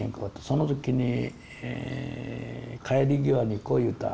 その時に帰り際にこう言った。